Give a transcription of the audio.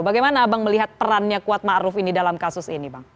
bagaimana abang melihat perannya kuat ma'ruf ini dalam kasus ini bang